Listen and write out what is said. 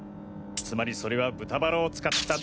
つまりそれは豚バラを使った。